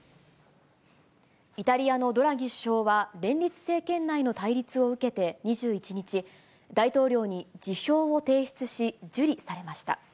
イタリアのドラギ首相は、連立政権内の対立を受けて２１日、大統領に辞表を提出し、受理されました。